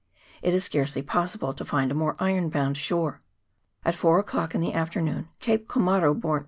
It is scarcely possible to find a more iron bound shore. At four o'clock in the afternoon Cape Komaru bore N.